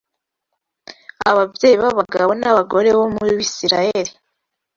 Ababyeyi b’abagabo n’abagore bo mu Bisirayeli